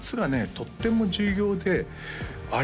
とっても重要であれ？